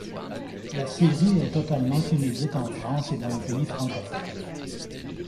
La série est totalement inédite en France et dans les pays francophones.